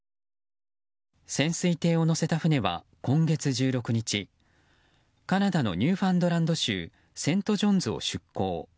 潜水艇を載せた船は今月１６日カナダのニューファンドランド州セントジョンズを出航。